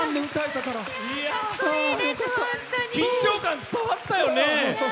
緊張感伝わったよね。